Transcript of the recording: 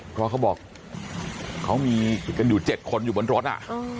เพราะเขาบอกเขามีกันอยู่๗คนอยู่บนรถอ่ะ